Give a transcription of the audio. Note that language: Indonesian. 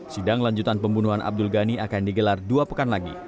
sidang lanjutan pembunuhan abdul ghani akan digelar dua pekan lagi